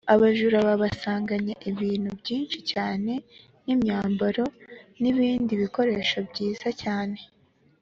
abajura babasanganye ibintu byinshi cyane n’ imyambaro nibindi bikoresho byiza cyane